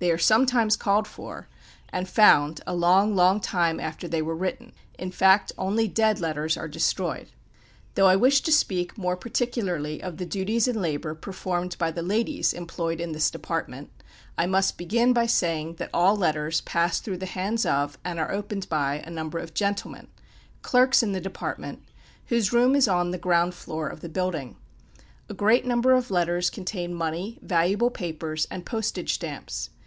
They are sometimes called for, and found, a long, long time after they were written; in fact, only "dead" letters are destroyed. Though I wish to speak more particularly of the duties and labor performed by the ladies employed in this department, I must begin by saying that all letters pass through the hands of, and are opened by, a number of gentlemen clerks in the department whose room is on the ground floor of the building. A great number of letters contain money, valuable papers, and postage stamps.